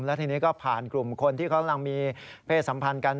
แล้วทีนี้ก็ผ่านกลุ่มคนที่เขากำลังมีเพศสัมพันธ์กัน